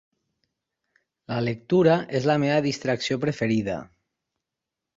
La lectura és la meva distracció preferida.